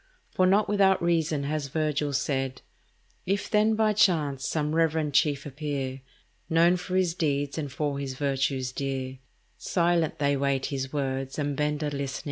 For not without reason has Virgil said— "If then, by chance, some reverend chief appear, Known for his deeds and for his virtues dear, Silent they wait his words and bend a listening ear."